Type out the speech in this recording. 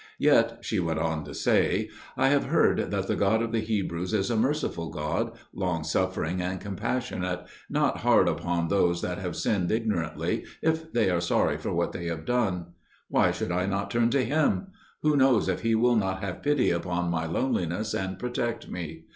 Yet," she went on to say, "I have heard that the God of the Hebrews is a merciful God, long suffering and compassionate, not hard upon those that have sinned ignorantly, if they are sorry for what they have done. Why should I not turn to Him? Who knows if He will not have pity upon my loneliness and protect me?